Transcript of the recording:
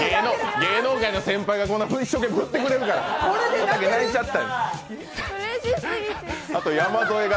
芸能界の先輩が一生懸命振ってくれるから、おたけ泣いちゃった。